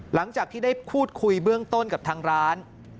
หลังจากที่ได้พูดคุยเบื้องต้นกับทางร้าน